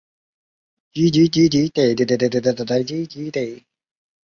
这两个级数的敛散性是一样的。